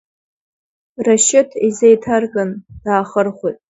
Рашьыҭ изеиҭарган, даахырхәеит.